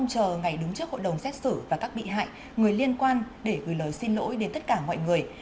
chờ ngày đứng trước hội đồng xét xử và các bị hại người liên quan để gửi lời xin lỗi đến tất cả mọi người